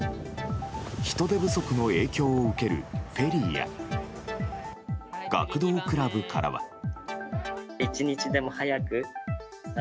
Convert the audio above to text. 人手不足の影響を受けるフェリーや学童クラブからは。